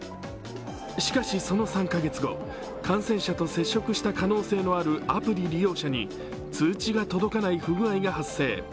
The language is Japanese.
しかし、その３カ月後感染者と接触した可能性のあるアプリ利用者に通知が届かない不具合が発生。